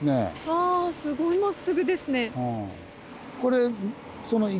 わあすごいまっすぐですね。